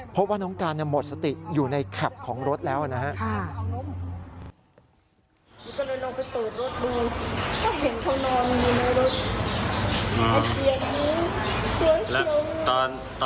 เพราะว่าน้องการหมดสติอยู่ในแคปของรถแล้วนะครับ